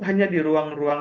hanya di ruang ruang